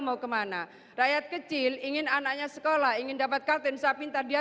mau kemana rakyat kecil ingin anaknya sekolah ingin dapat kartun saya pintar dia